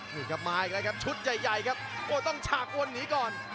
นี่ครับมาอีกแล้วครับชุดใหญ่ครับโอ้ต้องฉากวนหนีก่อน